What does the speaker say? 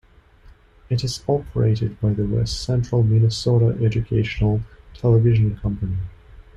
It is operated by the West Central Minnesota Educational Television Company.